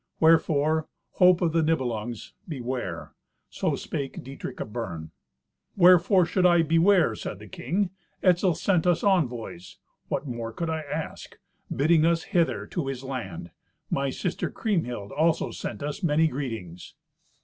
Wherefore, hope of the Nibelungs, beware!" So spake Dietrich of Bern. "Wherefore should I beware?" said the king. "Etzel sent us envoys (what more could I ask?) bidding us hither to this land. My sister Kriemhild, also, sent us many greetings."